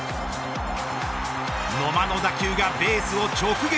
野間の打球がベースを直撃。